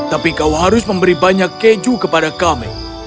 tapi kau harus memberi banyak keju kepada kami